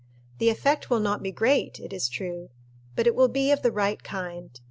The effect will not be great, it is true, but it will be of the right kind.